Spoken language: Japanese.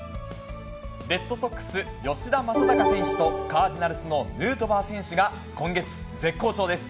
レッドソックス、吉田正尚選手とカージナルスのヌートバー選手が今月、絶好調です。